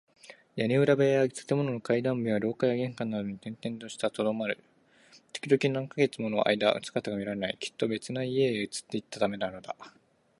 屋根裏部屋や建物の階段部や廊下や玄関などに転々としてとどまる。ときどき、何カ月ものあいだ姿が見られない。きっと別な家々へ移っていったためなのだ。